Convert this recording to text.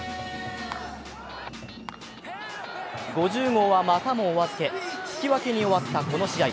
５０号は、またもお預け、引き分けに渡ったこの試合。